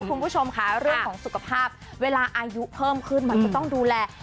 คุณผู้ชมค่ะเรื่องของสุขภาพเวลาอายุเพิ่มขึ้นมันก็ต้องดูแล